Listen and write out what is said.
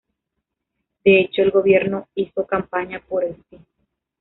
De hecho el Gobierno hizo campaña por el "sí".